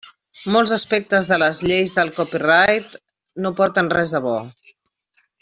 Molts aspectes de les lleis del copyright no porten res de bo.